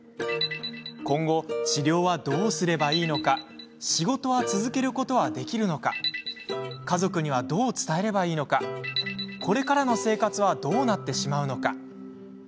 今後、治療はどうすればいいのか仕事は続けることはできるのか家族にはどう伝えればいいのかこれからの生活はどうなってしまうのか。